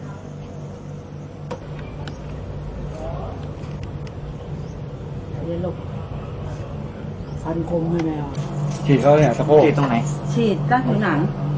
พันคมใช่ไหมอ๋อฉีดเขาเนี่ยตะโกฉีดตรงไหนฉีดตั้งถึงหนัง